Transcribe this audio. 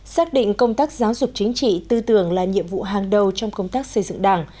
xác định công tác giáo dục chính trị tư tưởng là nhiệm vụ hàng đầu trong công tác xây dựng đảng